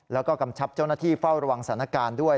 แล้วก็กำชับเจ้าหน้าที่เฝ้าระวังสถานการณ์ด้วย